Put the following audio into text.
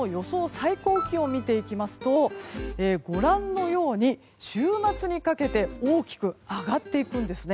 最高気温を見ていきますとご覧のように週末にかけて大きく上がっていくんですね。